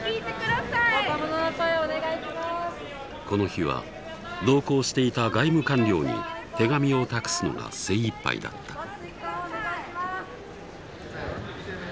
この日は同行していた外務官僚に手紙を託すのが精いっぱいだった。